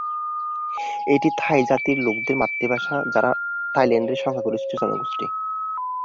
এটি থাই জাতির লোকদের মাতৃভাষা, যারা থাইল্যান্ডের সংখ্যাগরিষ্ঠ জনগোষ্ঠী।